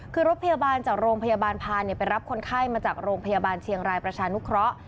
คือรถพยาบาลจากโรงพยาบาลพานไปรับคนไข้มาจากโรงพยาบาลเชียงรายประชานุเคราะห์